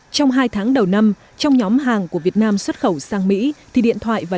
trong hai tháng đầu năm trong nhóm hàng của việt nam xuất khẩu sang mỹ thì điện thoại và